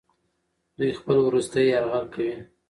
دوی خپل وروستی یرغل کوي.